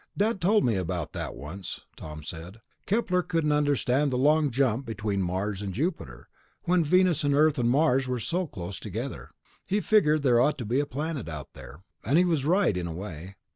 "Dad told me about that once," Tom said. "Kepler couldn't understand the long jump between Mars and Jupiter, when Venus and Earth and Mars were so close together. He figured there ought to be a planet out here ... and he was right, in a way.